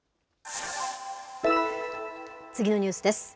次のニュースです。